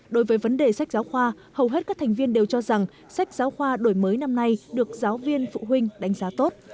đối với vấn đề sách giáo khoa hầu hết các thành viên đều cho rằng sách giáo khoa đổi mới năm nay được giáo viên phụ huynh đánh giá tốt